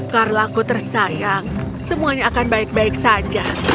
carla ku tersayang semuanya akan baik baik saja